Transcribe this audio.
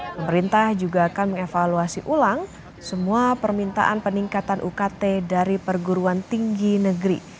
pemerintah juga akan mengevaluasi ulang semua permintaan peningkatan ukt dari perguruan tinggi negeri